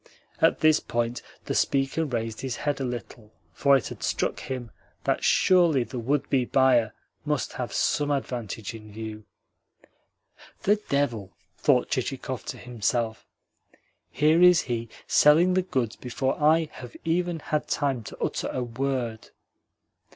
At this point the speaker raised his head a little, for it had struck him that surely the would be buyer must have some advantage in view. "The devil!" thought Chichikov to himself. "Here is he selling the goods before I have even had time to utter a word!"